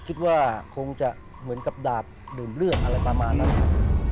คิดว่าคงจะเหมือนกับดาบดื่มเลือดอะไรประมาณนั้นครับ